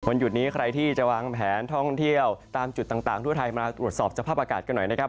หยุดนี้ใครที่จะวางแผนท่องเที่ยวตามจุดต่างทั่วไทยมาตรวจสอบสภาพอากาศกันหน่อยนะครับ